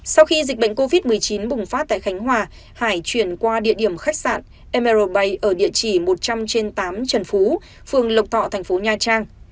sau khi dịch bệnh covid một mươi chín bùng phát tại khánh hòa hải chuyển qua địa điểm khách sạn merbai ở địa chỉ một trăm linh trên tám trần phú phường lộc thọ thành phố nha trang